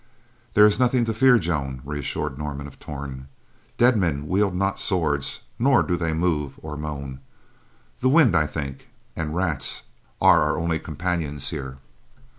"There is nothing to fear, Joan," reassured Norman of Torn. "Dead men wield not swords, nor do they move, or moan. The wind, I think, and rats are our only companions here."